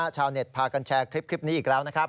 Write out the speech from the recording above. ชาวเน็ตพากันแชร์คลิปนี้อีกแล้วนะครับ